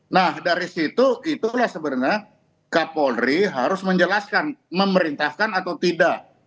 nah dari situ itulah sebenarnya kapolri harus menjelaskan memerintahkan atau tidak